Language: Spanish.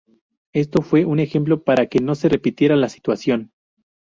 Esto fue un ejemplo para que no se repitiera la situación.